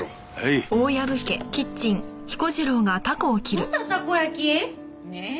またたこ焼き？ねえ。